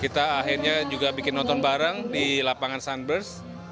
kita akhirnya juga bikin nonton bareng di lapangan sunburst